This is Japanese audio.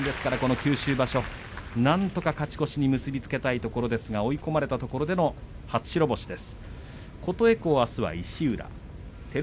九州場所なんとか勝ち越しに結び付けたいところですが、追い込まれたところでの初白星です。